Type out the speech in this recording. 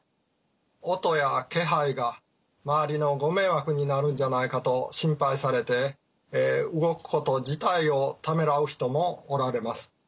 音や気配が周りのご迷惑になるんじゃないかと心配されて動くこと自体をためらう人もおられます。